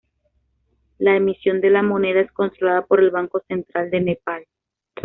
La emisión de la moneda es controlada por el Banco Central de Nepal.